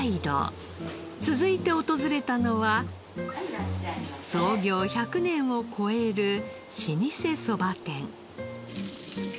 続いて訪れたのは創業１００年を超える老舗そば店。